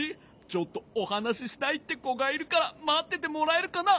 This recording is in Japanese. ちょっとおはなししたいってこがいるからまっててもらえるかな？